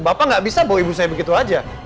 bapak enggak bisa bawa ibu saya begitu saja